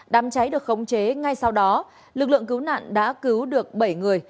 đám cháy được khống chế ngay sau đó lực lượng cứu nạn đã cứu được bảy người